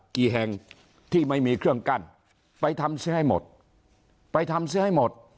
กี่แห่งที่ไม่มีเครื่องกั้นไปทำซื้อให้หมดไปทำซื้อให้หมด